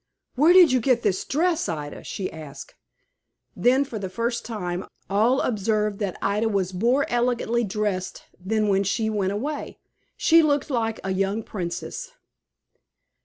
"Where did you get this dress, Ida?" she asked. Then, for the first time, all observed that Ida was more elegantly dressed than when she went away. She looked like a young princess.